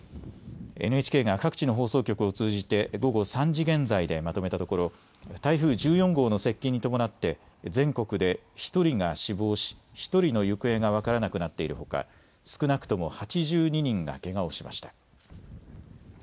ＮＨＫが各地の放送局を通じて午後３時現在でまとめたところ、台風１４号の接近に伴って全国で１人が死亡し、１人の行方が分からなくなっているほか少なくとも８２人がけがをしました。